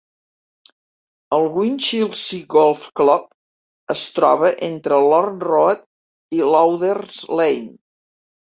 El Winchelsea Golf Club es troba entre Lorne Road i Lauders Lane.